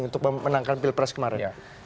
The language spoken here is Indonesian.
untuk memenangkan pilpres kemarin